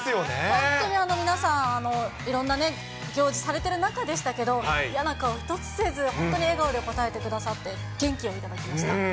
本当に皆さん、いろんなね、行事されてる中でしたけど、嫌な顔一つせず、本当に笑顔で応えてくださって、元気を頂きました。